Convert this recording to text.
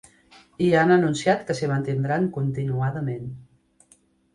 I han anunciat que s’hi mantindran continuadament.